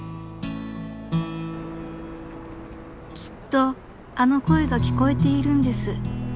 ［きっとあの声が聞こえているんです］